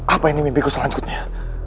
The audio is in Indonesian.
apa ini mimpiku selanjutnya